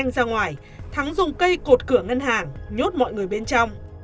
ra ngoài thắng dùng cây cột cửa ngân hàng nhốt mọi người bên trong